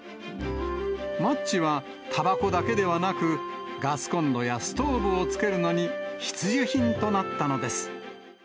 マッチはたばこだけではなく、ガスコンロやストーブをつけるのに必需品となったのです。